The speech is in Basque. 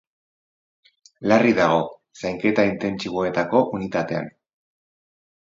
Larri dago, zainketa intentsiboetako unitatean.